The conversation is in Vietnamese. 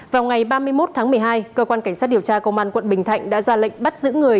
vào ngày ba mươi một tháng một mươi hai cơ quan cảnh sát điều tra công an tp hcm đã ra lệnh bắt giữ người